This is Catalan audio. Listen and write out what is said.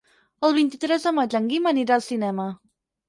El vint-i-tres de maig en Guim anirà al cinema.